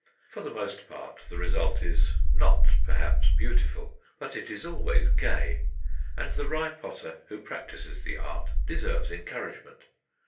For the most part the result is not perhaps beautiful, but it is always gay, and the Rye potter who practises the art deserves encouragement.